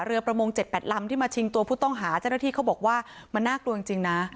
ประมง๗๘ลำที่มาชิงตัวผู้ต้องหาเจ้าหน้าที่เขาบอกว่ามันน่ากลัวจริงนะ